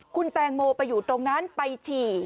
คุณแตงโมไปอยู่ตรงนั้นไปฉี่